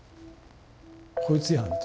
「こいつやん」と。